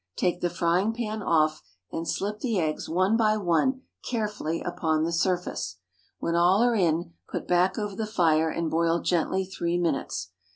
Take the frying pan off, and slip the eggs, one by one, carefully upon the surface. When all are in, put back over the fire and boil gently three minutes.